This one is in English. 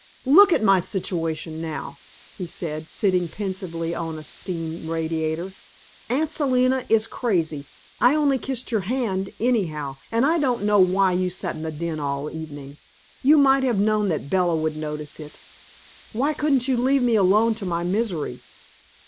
"Look at my situation now!" he said, sitting pensively on a steam radiator. "Aunt Selina is crazy. I only kissed your hand, anyhow, and I don't know why you sat in the den all evening; you might have known that Bella would notice it. Why couldn't you leave me alone to my misery?"